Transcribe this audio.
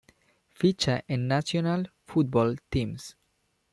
Ficha en National Football Teams.